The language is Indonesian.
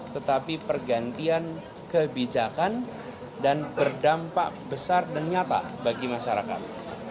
tetapi pergantian kebijakan dan berdampak besar dan nyata bagi masyarakat